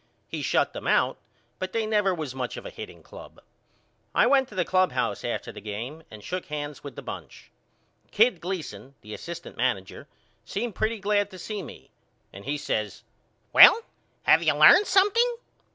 He shut them out, but they never was much of a hitting club. I went to the clubhouse after the game and shook hands with the bunch. Kid Gleason the assistant manager seemed pretty glad to see me and he says Well have you learned something?